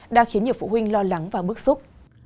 đang khiến nhiều phụ huynh lo lắng và bức xúc